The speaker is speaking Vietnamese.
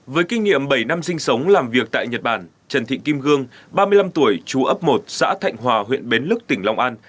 với kinh nghiệm bảy năm sinh sống làm việc tại nhật bản trần thị kim gương ba mươi năm tuổi chú ấp một xã thạnh hòa huyện bến lức tỉnh long an